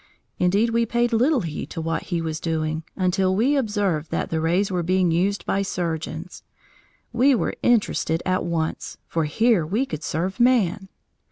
Indeed, we paid little heed to what he was doing, until we observed that the rays were being used by surgeons. We were interested at once, for here we could serve man.